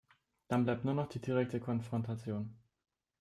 Dann bleibt nur noch die direkte Konfrontation.